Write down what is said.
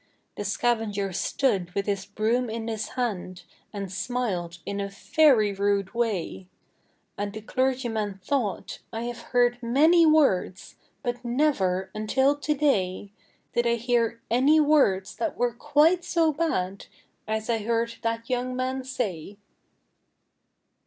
The scavenger stood with his broom in his hand, And smiled in a very rude way; And the clergyman thought, 'I have heard many words, But never, until to day, Did I hear any words that were quite so bad As I heard that young man say.'